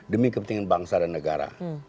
demi kepentingan bangsa dan negara